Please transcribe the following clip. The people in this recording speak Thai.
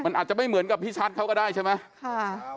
มันอาจจะไม่เหมือนกับพี่ชัดเขาก็ได้ใช่ไหม